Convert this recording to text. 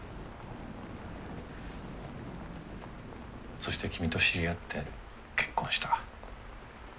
そして君と知り合って結婚した。